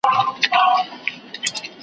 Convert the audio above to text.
د جومات سړی په جومات کي لټوه